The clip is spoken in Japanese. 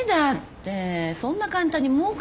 そんな簡単にもうからないわよ。